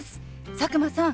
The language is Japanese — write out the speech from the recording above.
佐久間さん